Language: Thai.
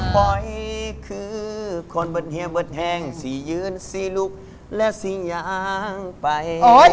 หอยคือคนบนเฮียเบิดแห้งสี่ยืนสี่ลูกและสี่อย่างไป